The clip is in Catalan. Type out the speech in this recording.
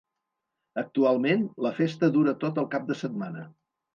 Actualment, la festa dura tot el cap de setmana.